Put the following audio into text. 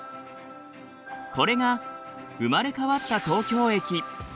これが生まれ変わった東京駅。